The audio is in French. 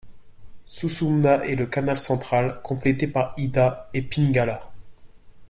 Suṣumṇā est le canal central, complété par iḍā, et, piṅgalā.